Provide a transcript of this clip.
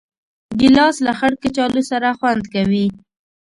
ګیلاس له خړ کچالو سره خوند کوي.